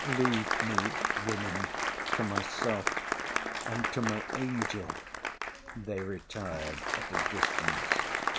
'—— Leave me, women, to myself, and to my angel!—[They retired at a distance.